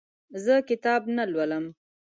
زه کتاب نه لولم.